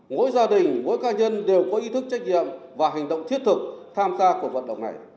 mỗi gia đình mỗi ca nhân đều có ý thức trách nhiệm và hành động thiết thực tham gia cuộc vận động này